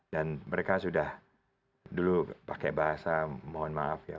dan mereka sudah dulu pakai bahasa mohon maaf